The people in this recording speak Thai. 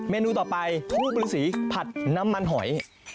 นูต่อไปทูบฤษีผัดน้ำมันหอย